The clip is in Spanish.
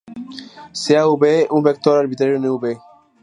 Sea "v" un vector arbitrario en "V".